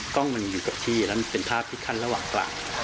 กล้องมันอยู่กับที่แล้วมันเป็นภาพที่ขั้นระหว่างกลาง